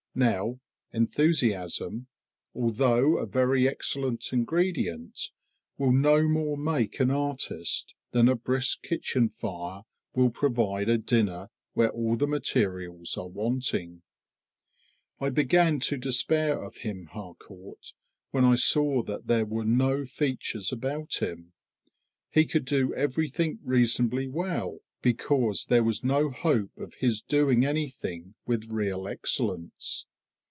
Now, enthusiasm, although a very excellent ingredient, will no more make an artist than a brisk kitchen fire will provide a dinner where all the materials are wanting. I began to despair of him, Harcourt, when I saw that there were no features about him. He could do everything reasonably well, because there was no hope of his doing anything with real excellence.